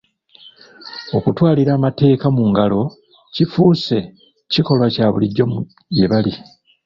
Okutwalira amateeka mu ngalo kifuuse kikolwa kya bulijjo gye bali.